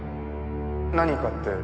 何かって？